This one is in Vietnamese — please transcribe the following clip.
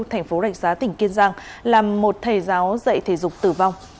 thành phố rạch giá tỉnh kiên giang làm một thầy giáo dạy thể dục tử vong